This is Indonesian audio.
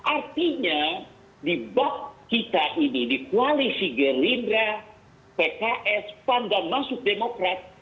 artinya di bab kita ini di koalisi gerindra pks pan dan masuk demokrat